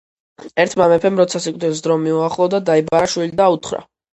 ერთმა მეფემ, როცა სიკვდილის დრო მოუახლოვდა, დაიბარა შვილი და უთხრა: